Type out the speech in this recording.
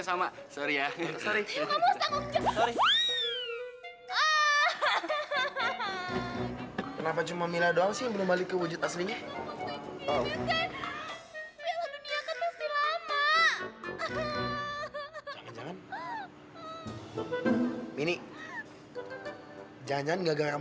sampai jumpa di video selanjutnya